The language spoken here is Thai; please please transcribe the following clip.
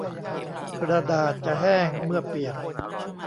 กระดาษจะแห้งเมื่อเปียก